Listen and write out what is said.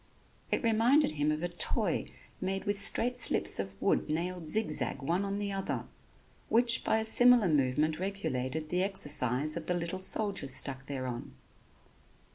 It reminded him of a toy made with straight slips of wood nailed zigzag one on the other, which by a similar movement regulated the exercise of the little soldiers stuck thereon.